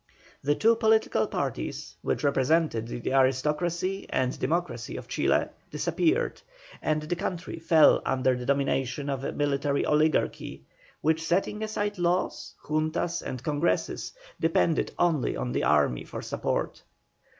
The two political parties, which represented the aristocracy and democracy of Chile, disappeared, and the country fell under the domination of a military oligarchy, which setting aside laws, juntas, and congresses, depended only on the army for support.